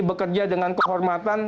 bekerja dengan kehormatan